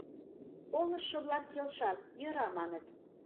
Колыштшо-влак келшат, «йӧра» маныт.